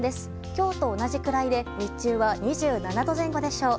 今日と同じくらいで日中は２７度前後でしょう。